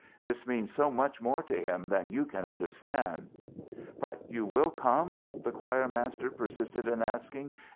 This means so much more to him than you can understand." "But you will come?" the choir master persisted in asking.